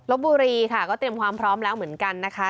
บุรีค่ะก็เตรียมความพร้อมแล้วเหมือนกันนะคะ